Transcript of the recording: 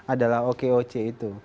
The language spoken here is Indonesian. adalah okoc itu